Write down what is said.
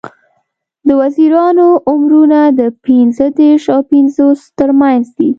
د وزیرانو عمرونه د پینځه دیرش او پینځوس تر منځ دي.